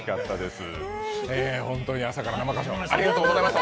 本当に朝から生歌唱ありがとうございました。